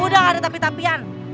udah ada tapi tapian